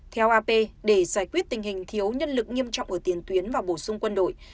theo ap để giải quyết tình hình thiếu nhân lực nghiêm trọng ở tiền tuyến và bổ sung quân đội